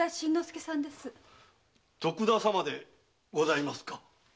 徳田様でございますか？